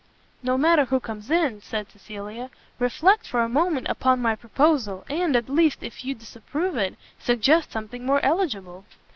"No matter who comes in," said Cecilia, "reflect for a moment upon my proposal, and, at least, if you disapprove it, suggest something more eligible."